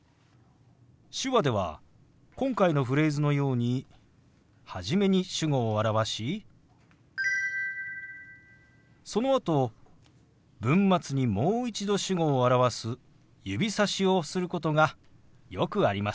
手話では今回のフレーズのように初めに主語を表しそのあと文末にもう一度主語を表す指さしをすることがよくあります。